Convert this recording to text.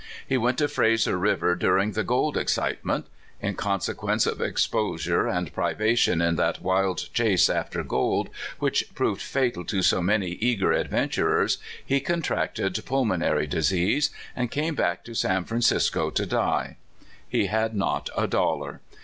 He went to Frazer River during the gold excitement. In consequence of exposure and pri vation in that wild chase after gold, which proved fatal to so many eager adventurers, he contracted pulmonary disease, and came back to San Fran cisco to die. He had not a dollar.